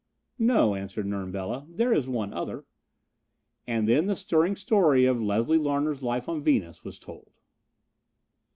"No," answered Nern Bela, "there is one other." And then the stirring story of Leslie Larner's life on Venus was told.